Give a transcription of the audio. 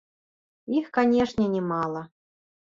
Іх, канешне, не мала.